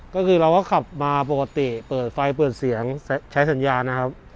ก็คือเราก็ขับมาปกติเปิดไฟเปิดเสียงใช้สัญญานะครับ